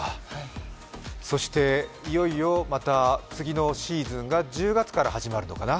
そしていよいよまた次のシーズンが１０月から始まるのかな。